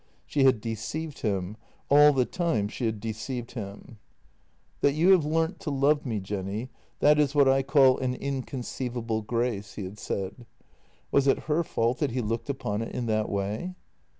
She had deceived him — all the time she had deceived him. " That you have learnt to love me, Jenny, that is what I call 204 JENNY an inconceivable grace "— was it her fault that he looked upon it in that way?